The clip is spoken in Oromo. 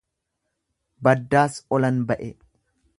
Baddaas olan ba'e